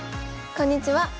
こんにちは。